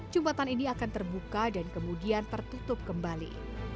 jembatan ini akan terbuka dan kemudian tertutup kembali